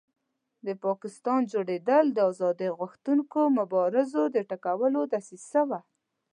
د پاکستان جوړېدل د آزادۍ غوښتونکو مبارزو د ټکولو دسیسه وه.